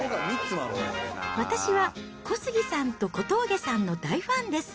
私は小杉さんと小峠さんの大ファンです。